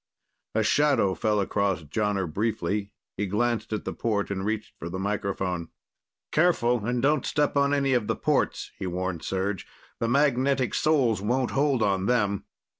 A shadow fell across Jonner briefly. He glanced at the port and reached for the microphone. "Careful and don't step on any of the ports," he warned Serj. "The magnetic soles won't hold on them."